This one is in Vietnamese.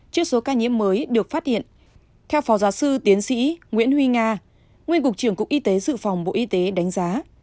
trước số ca nhiễm mới được phát hiện theo phó giáo sư tiến sĩ nguyễn huy nga nguyên cục trưởng cục y tế dự phòng bộ y tế đánh giá